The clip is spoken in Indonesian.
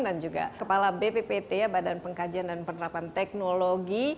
dan juga kepala bppt badan pengkajian dan penerapan teknologi